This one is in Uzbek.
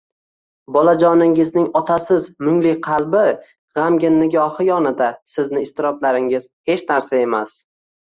Bolajoningizning otasiz mungli qalbi, g`amgin nigohi yonida sizning iztiroblaringiz hech narsa emas